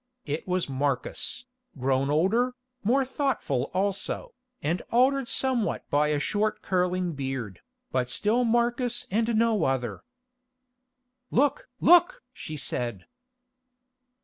It was Marcus, grown older, more thoughtful also, and altered somewhat by a short curling beard, but still Marcus and no other. "Look! look!" she said.